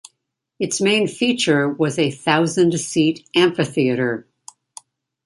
Its main feature was a thousand-seat amphitheater.